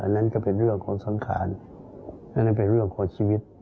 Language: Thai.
นั่นก็เป็นเรื่องของสังขารอันนั้นเป็นเรื่องของชีวิต